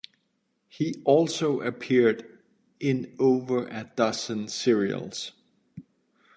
He also appeared in over a dozen serials.